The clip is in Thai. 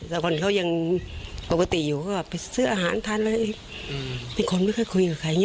แต่ก่อนเขายังปกติอยู่ก็ไปซื้ออาหารทานเลยอืมมีคนไม่ค่อยคุยกับใคร